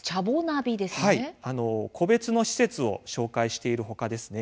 個別の施設を紹介しているほかですね